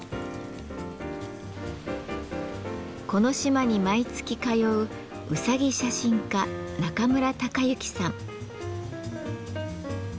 この島に毎月通ううさぎ写真家中村隆之さん。